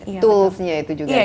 ini toolsnya itu juga sendiri